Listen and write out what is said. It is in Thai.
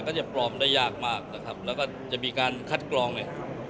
ก็จะปลอมได้ยากมากนะครับแล้วก็จะมีการคัดกรองเนี่ย